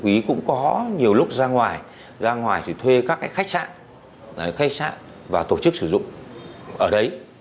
quý cũng có nhiều lúc ra ngoài ra ngoài thì thuê các khách sạn và tổ chức sử dụng ở đấy